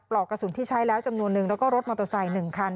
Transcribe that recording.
อกกระสุนที่ใช้แล้วจำนวนนึงแล้วก็รถมอเตอร์ไซค์๑คัน